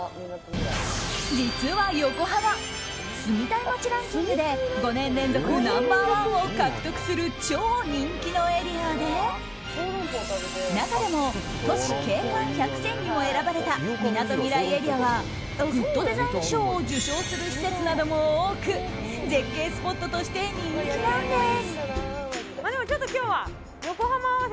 実は横浜住みたい街ランキングで５年連続ナンバー１を獲得する超人気のエリアで中でも都市景観１００選にも選ばれたみなとみらいエリアはグッドデザイン賞を受賞する施設なども多く絶景スポットとして人気なんです。